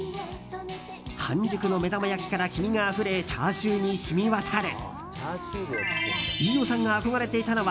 半熟の目玉焼きから黄身があふれチャーシューに染み渡る。